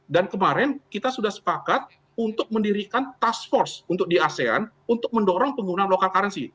dan kemarin kita sudah sepakat untuk mendirikan task force untuk di asean untuk mendorong penggunaan lokal karansi